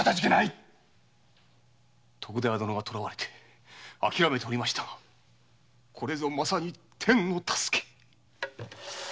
徳田屋殿が捕われて諦めておりましたがこれぞまさに天の助け。